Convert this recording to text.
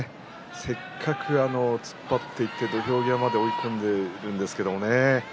せっかく突っ張っていって土俵際まで追い込んでいるんですけどね